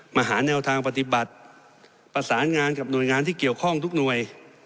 หาแนวทางปฏิบัติประสานงานกับหน่วยงานที่เกี่ยวข้องทุกหน่วย